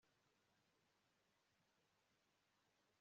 gusa reka nshake uko twamenyesha Henry ibi bintu ubundi turamenya